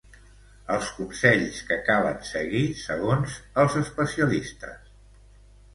Els consells que calen seguir segons els especialistes.